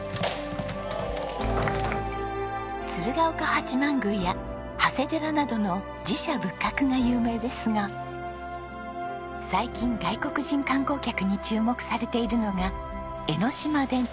鶴岡八幡宮や長谷寺などの寺社仏閣が有名ですが最近外国人観光客に注目されているのが江ノ島電鉄